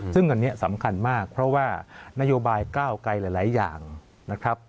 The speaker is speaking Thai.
ซึ่งอันนี้สำคัญมากเพราะว่านโยบายก้าวไกลหลายอย่างนะครับ